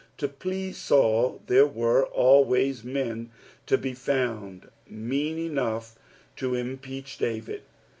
To E lease Saul, there were alivays men to be found mean eniiugh to impeatih luvid.